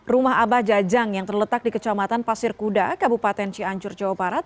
rumah abah jajang yang terletak di kecamatan pasir kuda kabupaten cianjur jawa barat